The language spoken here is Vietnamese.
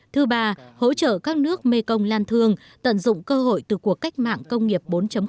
thứ ba hỗ trợ các nước mekong lan thương tận dụng cơ hội từ cuộc cách mạng công nghiệp bốn